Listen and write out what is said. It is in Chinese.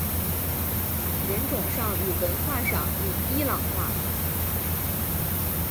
人种上与文化上已伊朗化。